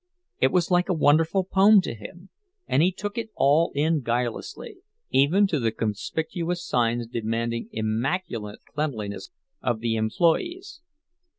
It was like a wonderful poem to him, and he took it all in guilelessly—even to the conspicuous signs demanding immaculate cleanliness of the employees.